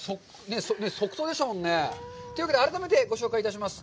即答でしたもんね。というわけで、改めて紹介いたします。